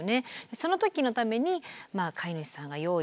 その時のために飼い主さんが用意するもの